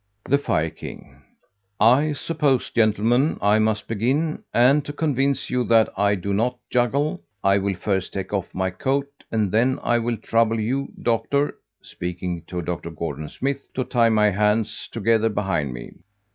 The Fire king "I suppose, gentlemen, I must begin, and to convince you that I do not juggle, I will first take off my coat, and then I will trouble you, doctor (speaking to Dr. Gordon Smith), to tie my hands together behind me.